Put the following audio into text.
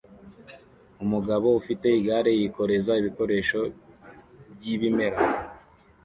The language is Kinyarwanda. Umugabo ufite igare yikoreza ibikoresho byibimera